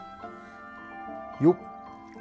よっ。